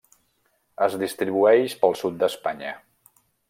Es distribueix pel sud d'Espanya.